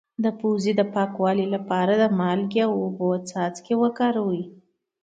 د پوزې د پاکوالي لپاره د مالګې او اوبو څاڅکي وکاروئ